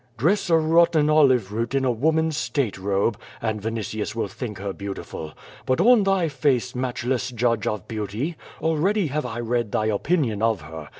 "Dress a rotten olive root in a woman's state robe, and 52 QUO VADI8. Vinitius will think her beautiful. But on thy face, match less judge of beauty, already have I read thy opinion of her.